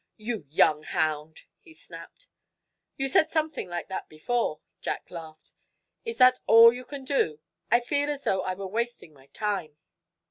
"You young hound!" he snapped. "You said something like that before," Jack laughed. "Is that all you can do? I feel as though I were wasting my time."